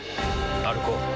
歩こう。